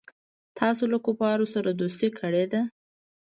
تاسو له کفارو سره دوستي کړې ده.